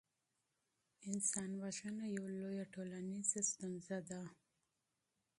انسان وژنه یوه لویه ټولنیزه ستونزه ده.